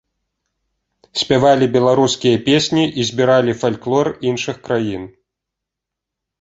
Спявалі беларускія песні і збіралі фальклор іншых краін.